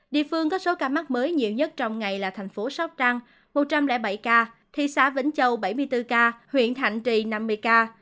địa phương có số ca mắc mới nhiều nhất trong ngày là thành phố sóc trăng một trăm linh bảy ca thị xã vĩnh châu bảy mươi bốn ca huyện thạnh trì năm mươi ca